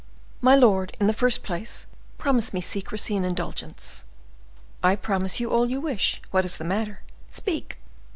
"My lord, in the first place, promise me secrecy and indulgence." "I promise you all you wish. What is the matter? Speak!"